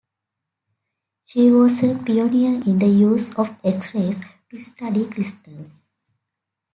She was a pioneer in the use of X-rays to study crystals.